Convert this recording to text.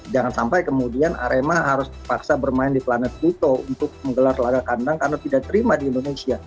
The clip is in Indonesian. jangan sampai kemudian arema harus terpaksa bermain di planet ruto untuk menggelar laga kandang karena tidak terima di indonesia